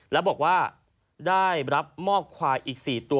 แล้วบอกว่าได้รับมอบควายอีก๔ตัว